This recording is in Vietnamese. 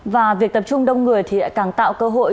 và việc tập trung đông người thì lại càng tạo cơ hội